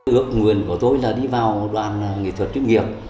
ước nguyện của tôi là đi vào đoàn nghệ thuật chuyên nghiệp